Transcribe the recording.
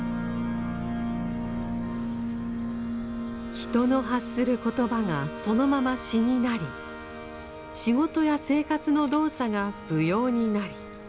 人の発する言葉がそのまま詩になり仕事や生活の動作が舞踊になり